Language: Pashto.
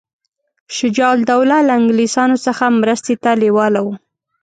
شجاع الدوله له انګلیسیانو څخه مرستې ته لېواله وو.